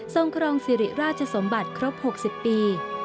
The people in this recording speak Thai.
ครองสิริราชสมบัติครบ๖๐ปี